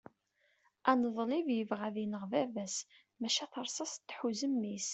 aneḍlib yebɣa ad ineɣ baba-s maca tarsast tḥuz mmi-s